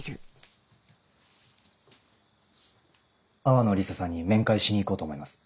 淡野リサさんに面会しに行こうと思います。